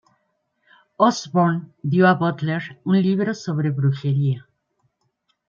Osbourne dio a Butler, un libro sobre brujería.